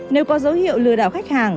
nếu có dấu hiệu lừa đảo khách hàng